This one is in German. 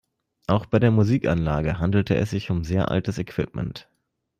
Auch bei der Musikanlage handelte es sich um sehr altes Equipment.